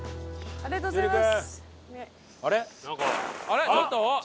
ありがとうございます！